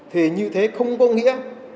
thì như thế không có nghĩa